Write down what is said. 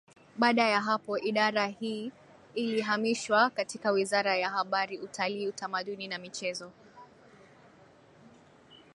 Baada ya hapo Idara hii ilihamishwa katika Wiraza ya Habari Utalii Utamaduni na Michezo